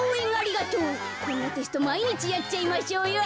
こんなテストまいにちやっちゃいましょうよ。